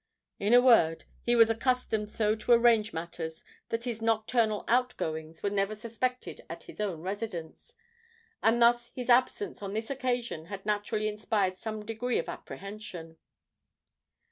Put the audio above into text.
In a word, he was accustomed so to arrange matters, that his nocturnal outgoings were never suspected at his own residence—and thus his absence on this occasion had naturally inspired some degree of apprehension.